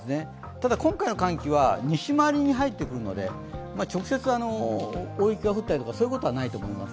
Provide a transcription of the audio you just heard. ただ今回の寒気は西回りに入ってくるので直接、覆いかぶったり大雪が降ったり、そういうことはないと思います。